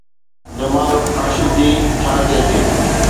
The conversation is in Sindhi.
جمال خاشقجي، ڇا چئجي؟